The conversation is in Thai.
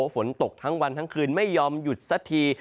ฝนตกทั้งวันทั้งคืนไม่ยอมหยุดสักที